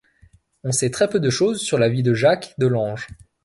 On sait très peu de choses sur la vie de Jacques de l'Ange.